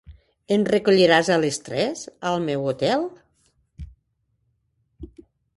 Em recolliràs a les tres al meu hotel?